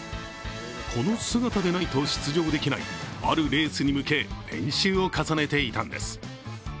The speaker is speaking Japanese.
この姿でないと出場できないあるレースに向け練習を重ねていたんです。